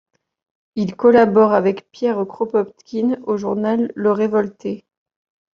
Il collabore avec Pierre Kropotkine au journal Le Révolté.